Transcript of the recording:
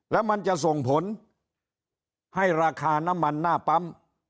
แล้วมันจะส่งผลให้ราคาน้ำมันหน้าปั๊ม